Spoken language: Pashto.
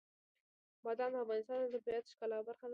بادام د افغانستان د طبیعت د ښکلا برخه ده.